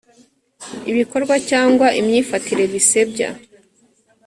ibikorwa cyangwa imyifatire bisebya